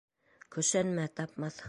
Көсәнмә, тапмаҫһың!